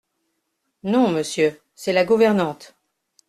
Non, Monsieur, c’est la gouvernante.